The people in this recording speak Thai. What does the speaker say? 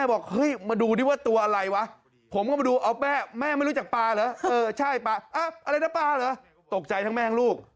เออใช่ปลาอะไรนะปลาเหรอตกใจทั้งแม่งลูก